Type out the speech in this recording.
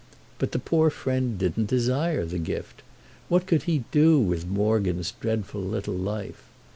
But the poor friend didn't desire the gift—what could he do with Morgan's dreadful little life?